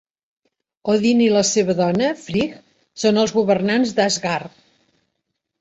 Odin i la seva dona, Frigg, són els governants d'Asgard.